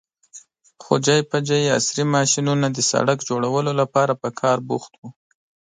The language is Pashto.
خو ځای پر ځای عصرې ماشينونه د سړک جوړولو لپاره په کار بوخت وو.